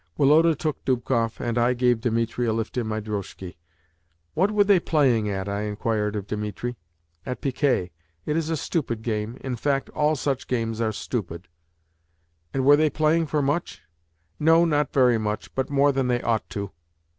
Woloda took Dubkoff, and I gave Dimitri a lift in my drozhki. "What were they playing at?" I inquired of Dimitri. "At piquet. It is a stupid game. In fact, all such games are stupid." "And were they playing for much?" "No, not very much, but more than they ought to."